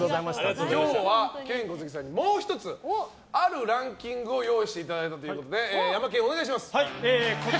今日はケイン・コスギさんにもう１つ、あるランキングを用意していただいたということでヤマケン、お願いします。